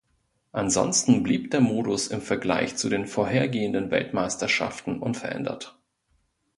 Ansonsten blieb der Modus im Vergleich zu den vorhergehenden Weltmeisterschaften unverändert.